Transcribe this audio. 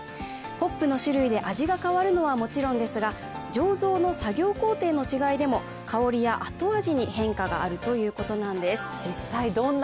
ホップの種類で味が変わるのはもちろんですが醸造の作業工程の違いでも香りや後味に変化があるということです。